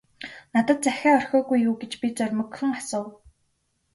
- Надад захиа орхиогүй юу гэж би зоримогхон асуув.